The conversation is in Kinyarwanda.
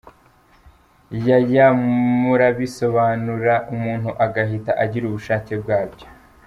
yaya murabisobanura umuntu agahita agira ubushake bwabyo.